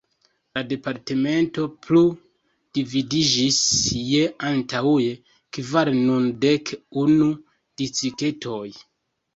La departemento plu dividiĝis je antaŭe kvar, nun dek unu distriktoj.